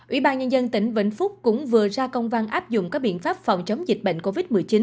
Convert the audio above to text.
ủy ban nhân dân tỉnh vĩnh phúc cũng vừa ra công văn áp dụng các biện pháp phòng chống dịch bệnh covid một mươi chín